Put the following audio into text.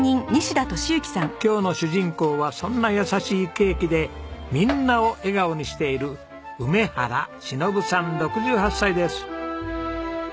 今日の主人公はそんな優しいケーキでみんなを笑顔にしている梅原忍さん６８歳です。